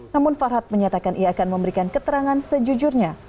namun farhad menyatakan ia akan memberikan keterangan sejujurnya